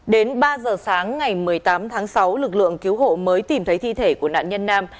đến ba giờ sáng ngày một mươi tám tháng sáu lực lượng cứu hộ mới tìm thấy thi thể của nạn nhân nam